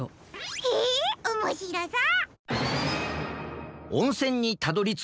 へえおもしろそう！